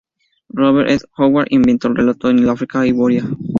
Robert E. Howard ambientó el relato en el África hiboria.